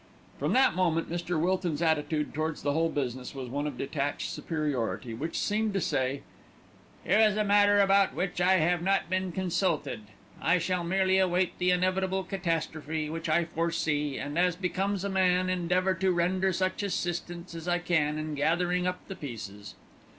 From that moment Mr. Wilton's attitude towards the whole business was one of detached superiority, which seemed to say, "Here is a matter about which I have not been consulted. I shall merely await the inevitable catastrophe, which I foresee, and as becomes a man, endeavour to render such assistance as I can in gathering up the pieces."